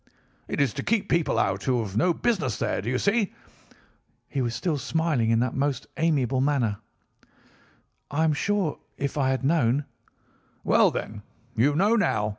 "'It is to keep people out who have no business there. Do you see?' He was still smiling in the most amiable manner. "'I am sure if I had known—' "'Well, then, you know now.